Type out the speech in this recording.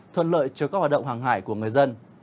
thuận lợi cho các hoạt động hàng hải của người dân